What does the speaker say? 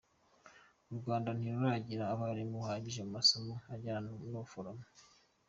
U Rwanda ntiruragira abarimu bahagije mu masomo ajyanye n’ubuforomo.